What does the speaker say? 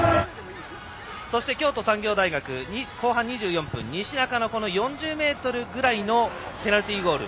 京都産業大学は後半２４分西仲の４０ｍぐらいのペナルティーゴール。